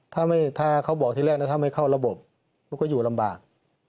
ถ้าเขาบอกที่แรกแล้วถ้าไม่เข้าระบบมันก็อยู่ลำบาก